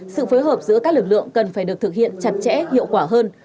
sự phối hợp giữa các lực lượng cần phải được thực hiện chặt chẽ hiệu quả hơn